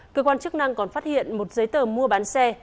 cơ quan chức năng còn phát hiện một giấy tờ mua bán xe